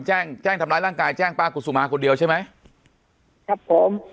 แจ้งแจ้งทำร้ายร่างกายแจ้งป้ากุศุมาคนเดียวใช่ไหมครับผม